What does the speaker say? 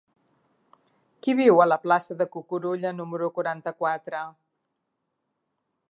Qui viu a la plaça de Cucurulla número quaranta-quatre?